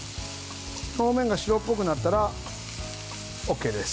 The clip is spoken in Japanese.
表面が白っぽくなったらＯＫです。